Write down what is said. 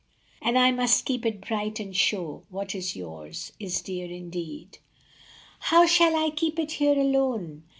And I must keep it bright, and show That what is yours is dear indeed. 48 A BIRTHDAY. How shall I keep it here alone